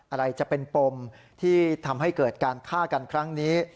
อะไรจะเป็นปมที่ทำให้เกิดการฆ่ากันครั้งนี้